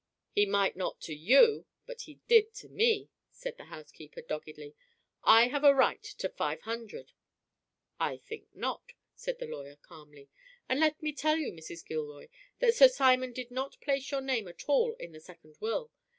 "He might not to you, but he did to me," said the housekeeper, doggedly. "I have a right to five hundred." "I think not," said the lawyer, calmly. "And let me tell you, Mrs. Gilroy, that Sir Simon did not place your name at all in the second will.